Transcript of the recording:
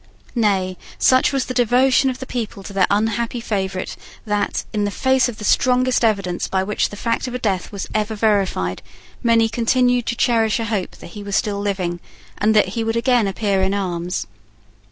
Nay, such was the devotion of the people to their unhappy favourite that, in the face of the strongest evidence by which the fact of a death was ever verified, many continued to cherish a hope that he was still living, and that he would again appear in arms.